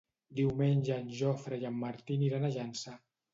Diumenge en Jofre i en Martí aniran a Llançà.